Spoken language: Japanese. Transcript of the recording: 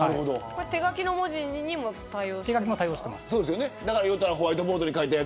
手書きの文字にも対応している。